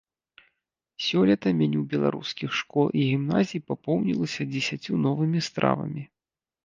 Сёлета меню беларускіх школ і гімназій папоўнілася дзесяццю новымі стравамі.